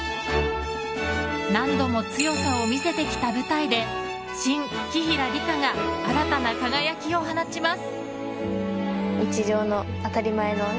何度も強さを見せてきた舞台でシン・紀平梨花が新たな輝きを放ちます。